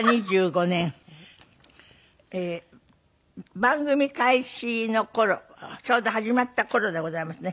番組開始の頃ちょうど始まった頃でございますね。